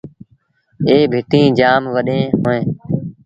ائيٚݩ ڀتيٚن جآم وڏيݩ اوهيݩ۔